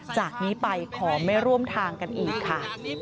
จากนี้ไปขอไม่ร่วมทางกันอีกค่ะ